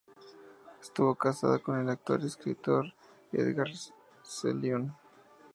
Estuvo casada con el actor y escritor Edgar Selwyn.